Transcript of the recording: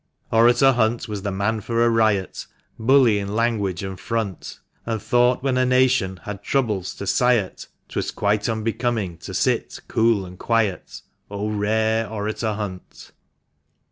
Orator Hunt was the man for a riot — Bully in language and front — And thought when a nation had troubles to sigh at, 'Twas quite unbecoming to sit cool and quiet, 0 rare Orator Hunt